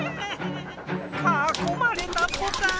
かこまれたポタ。